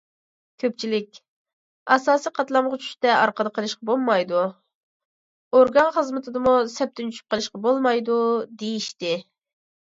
كۆپچىلىك: ئاساسىي قاتلامغا چۈشۈشتە ئارقىدا قېلىشقا بولمايدۇ، ئورگان خىزمىتىدىمۇ سەپتىن چۈشۈپ قېلىشقا بولمايدۇ، دېيىشتى.